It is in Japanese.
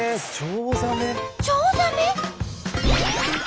チョウザメ？